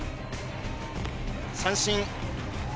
三振。